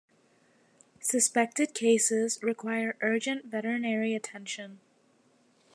Suspected cases require urgent veterinary attention.